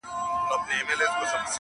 • دا کيسه د انسان د وجدان غږ ګرځي..